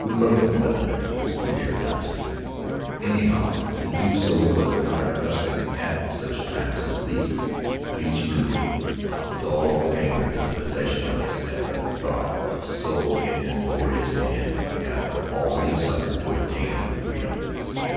We looked at one another. We dared not speak. Anyhow, to do so was not our custom at such times as these. But each knew. A dull anger took possession of us at the thought of so inglorious an end after all that we had suffered to attain our freedom.